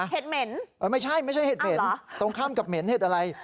เห็ดเหม็นเอาเหรอตรงข้ำกับเหม็นเห็ดอะไร